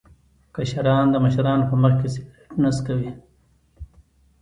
کشران د مشرانو په مخ کې سګرټ نه څکوي.